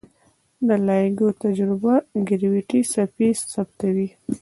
د لایګو تجربه ګرویتي څپې ثبتوي.